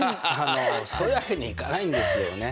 そういうわけにはいかないんですよね。